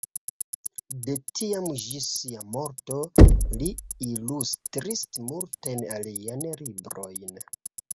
De tiam ĝis sia morto li ilustris multajn aliajn librojn.